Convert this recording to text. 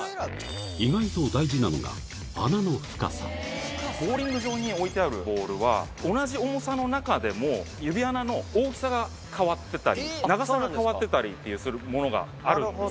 意外と大事なのがボウリング場に置いてあるボールは同じ重さの中でも指穴の大きさが変わってたり長さが変わってたりってするものがあるんですね。